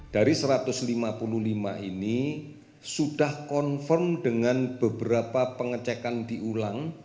dari satu ratus lima puluh lima ini sudah confirm dengan beberapa pengecekan diulang